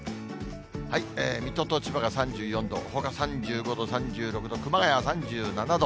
水戸と千葉が３４度、ほか３５度、３６度、熊谷が３７度。